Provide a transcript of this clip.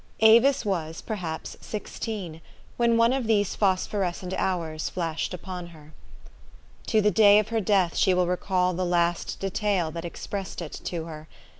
Avis was, perhaps sixteen, when one of these phosphorescent hours flashed upon her. To the day of her death she will recall the last detail that expressed it to her.